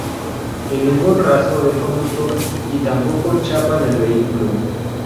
Y ningún rastro del conductor, y tampoco chapa en el vehículo.